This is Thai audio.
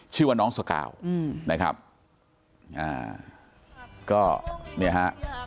ชื่อว่าน้องสกาวอืมนะครับอ่าก็เนี่ยฮะ